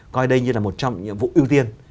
coi đây như là một trong những nhiệm vụ ưu tiên